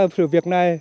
của sự việc này